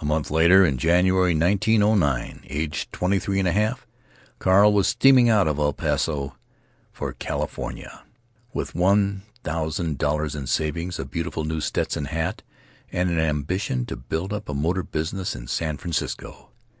A month later, in January, 1909, aged twenty three and a half, Carl was steaming out of El Paso for California, with one thousand dollars in savings, a beautiful new Stetson hat, and an ambition to build up a motor business in San Francisco.